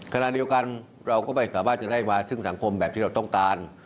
ขณะเดียวกันเราก็ไม่สามารถจะได้มาซึ่งสังคมแบบที่เราต้องการ